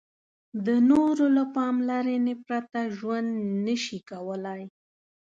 د نورو له پاملرنې پرته ژوند نشي کولای.